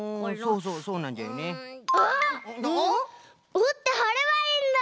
おってはればいいんだ！